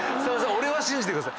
俺は信じてください。